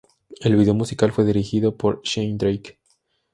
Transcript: El vídeo musical fue dirigido por Shane Drake.